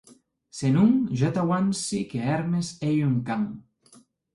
Se non, ja t'auanci que Hermes ei un can.